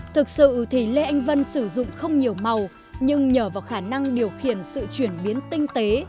thực sự thì lê anh vân sử dụng không nhiều màu nhưng nhờ vào khả năng điều khiển sự chuyển biến tinh tế